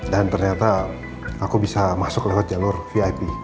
dan ternyata aku bisa masuk lewat jalur vip